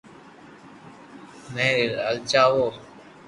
منو لآلچاوُ